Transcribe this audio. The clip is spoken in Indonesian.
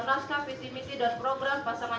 naskah visi misi dan program pasangan